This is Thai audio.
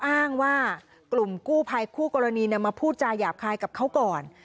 อ้างว่ากลุ่มกู้ภัยคู่กรณีมาพูดจาหยาบคายกับเขาก่อน